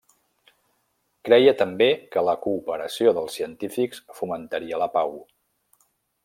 Creia també que la cooperació dels científics fomentaria la pau.